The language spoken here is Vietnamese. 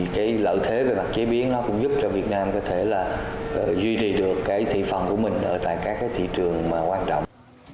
và lợi thế về chế biến cũng giúp cho việt nam có thể duy trì được thị phần của mình ở các thị trường quan trọng